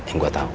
yang gue tau